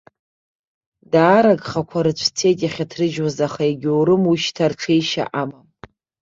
Даара агхақәа рыцәцеит иахьҭрыжьуаз, аха егьаурым, уи шьҭа рҽеишьа амам.